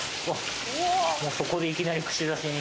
もうそこでいきなり串刺しに。